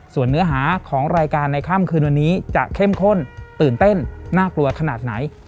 ส่วนเนื้อหาของรายการในค่ำคืนวันนี้จะเข้มข้นตื่นเต้นน่ากลัวขนาดไหน